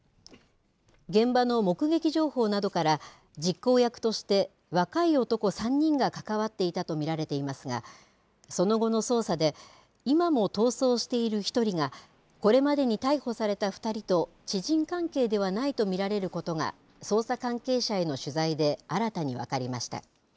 現場の目撃情報などから、実行役として若い男３人が関わっていたと見られていますが、その後の捜査で、今も逃走している１人が、これまでに逮捕された２人と知人関係ではないと見られることが、捜査関係者への取材で新たに分かりました。